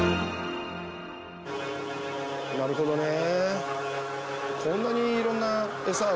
なるほどねえ。